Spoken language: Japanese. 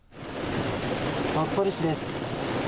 鳥取市です。